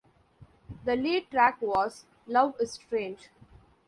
The lead track was "Love Is Strange".